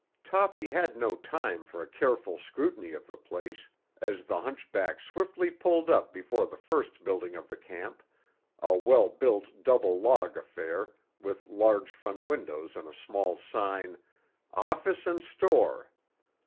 Toppy had no time for a careful scrutiny of the place, as the hunchback swiftly pulled up before the first building of the camp, a well built double log affair with large front windows and a small sign, "Office and Store."